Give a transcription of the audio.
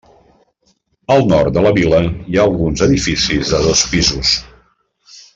Al nord de la vil·la hi ha alguns edificis de dos pisos.